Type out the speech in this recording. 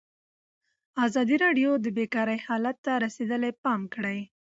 ازادي راډیو د بیکاري حالت ته رسېدلي پام کړی.